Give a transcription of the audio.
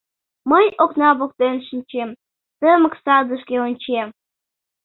Мый окна воктен шинчем, Тымык садышке ончем.